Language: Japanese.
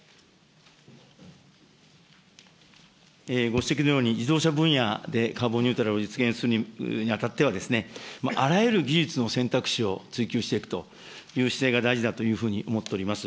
ご指摘のように、自動車分野でカーボンニュートラルを実現するにあたっては、あらゆる技術の選択肢を追求していくという姿勢が大事だというふうに思っております。